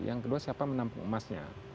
yang kedua siapa menampung emasnya